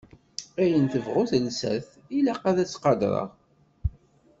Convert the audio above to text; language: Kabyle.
Ayen tebɣu telsa-t ilaq ad tt-qadreɣ.